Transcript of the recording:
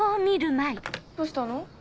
どうしたの？